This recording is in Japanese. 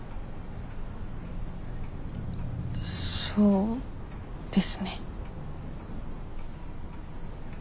そうですね。